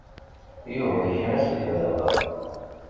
Yuba yekna s leḥdaqa.